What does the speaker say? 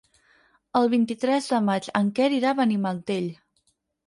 El vint-i-tres de maig en Quer irà a Benimantell.